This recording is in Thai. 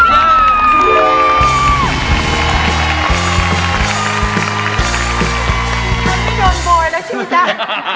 ถ้าไม่โดนโปรดแล้วชิคกี้พาย